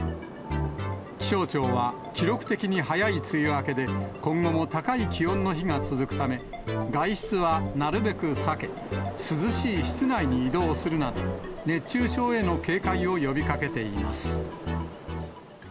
気象庁は、記録的に早い梅雨明けで、今後も高い気温の日が続くため、外出はなるべく避け、涼しい室内に移動するなど、熱中症への警戒を呼びかけています。